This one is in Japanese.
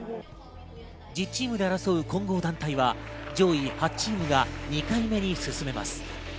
１０チームで争う混合団体は上位８チームが２回目に進めます。